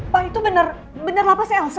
pak itu bener bener lapasnya elsa